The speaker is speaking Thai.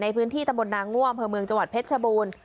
ในพื้นที่ตำบลนางง่วงอำเภอเมืองจังหวัดเพชรชบูรณ์